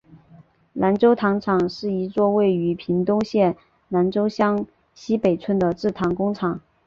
南州糖厂是一座位于屏东县南州乡溪北村的制糖工厂。